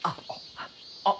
あっ。